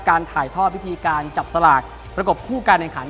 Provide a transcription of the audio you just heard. การถ่ายทอดวิธีการจับสลากประกบคู่การแข่งขัน